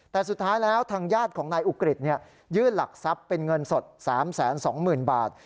แต่สุดท้ายแล้วทางญาติของนายอุกฤษยื่นหลักทรัพย์เป็นเงินสด๓๒๐๐๐บาท